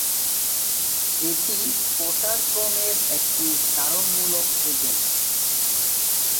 এটি পটার ক্রমের একটি কারণমূলক এজেন্ট।